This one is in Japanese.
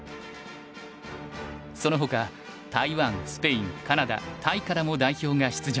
そのほか台湾スペインカナダタイからも代表が出場。